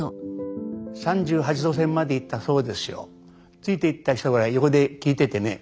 ついていった人が横で聞いててね。